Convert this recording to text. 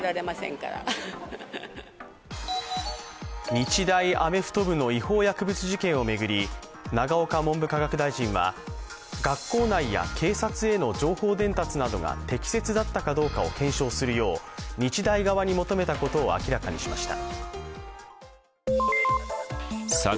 日大アメフト部の違法薬物事件を巡り永岡文部科学大臣は学校内や警察への情報伝達などが適切だったかどうかを検証するよう日大側に求めたことを明らかにしました。